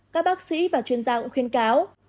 các bác sĩ và chuyên gia cũng khuyên cáo